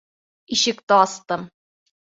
Ишекте астым.